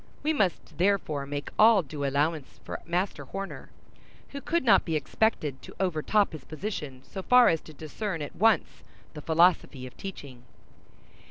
We must therefore make all due allowance for Master Horner, who could not be expected to overtop his position so far as to discern at once the philosophy of teaching.